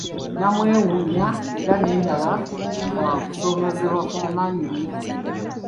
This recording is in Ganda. Namwewuunya era ne ndaba nga kusoomoozebwa kwa maanyi nnyo.